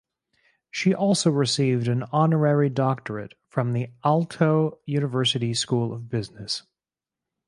She also received an honorary doctorate from the Aalto University School of Business.